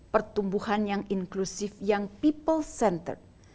pertumbuhan yang inklusif yang people center